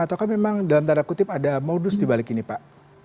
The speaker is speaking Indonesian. atau memang dalam tanda kutip ada modus dibalik ini pak